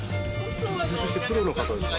ひょっとしてプロの方ですか？